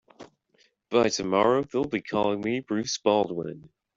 By tomorrow they'll be calling me Bruce Baldwin.